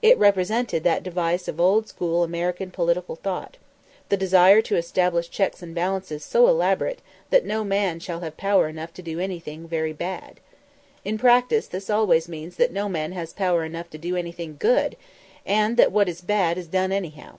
It represented that device of old school American political thought, the desire to establish checks and balances so elaborate that no man shall have power enough to do anything very bad. In practice this always means that no man has power enough to do anything good, and that what is bad is done anyhow.